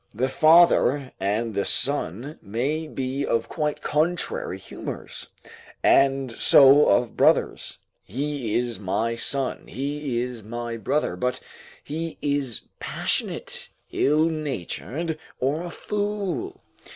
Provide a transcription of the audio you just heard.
The father and the son may be of quite contrary humours, and so of brothers: he is my son, he is my brother; but he is passionate, ill natured, or a fool.